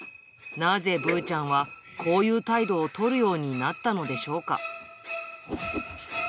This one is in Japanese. なぜぶーちゃんはこういう態度を取るようになったのでしょうか。